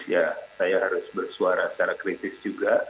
ya saya harus bersuara secara kritis juga